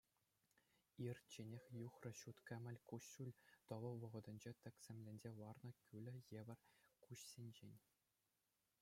Ирчченех юхрӗ ҫут кӗмӗл куҫҫуль тӑвӑл вӑхӑтӗнче тӗксӗмленсе ларнӑ кӳлӗ евӗр куҫсенчен.